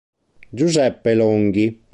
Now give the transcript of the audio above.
Giuseppe Longhi